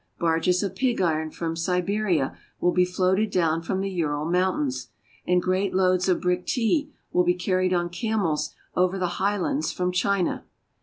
Barges of pig iron from Siberia will be floated down from the Ural Mountains, and great loads of brick tea will be carried on camels over the highlands from China.